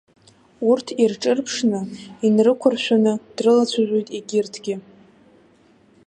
Урҭ ирҿырԥшны, инрықәыршәаны дрылацәажәоит егьырҭгьы.